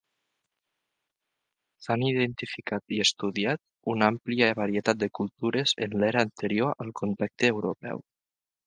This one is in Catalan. S'han identificat i estudiat una àmplia varietat de cultures en l'era anterior al contacte europeu.